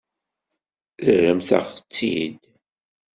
Terramt-aɣ-tt-id.